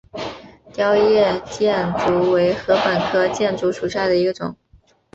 凋叶箭竹为禾本科箭竹属下的一个种。